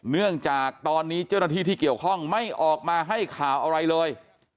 เนื่องจากตอนนี้เจ้าหน้าที่ที่เกี่ยวข้องไม่ออกมาให้ข่าวอะไรเลย